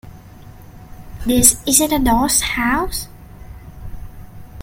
This isn't a doss house.